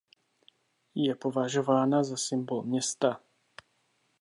Je považována za symbol města.